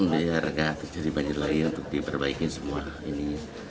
biar nggak terjadi banjir lain untuk diperbaikin semua ini